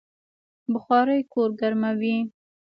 بخارۍ کور ګرموي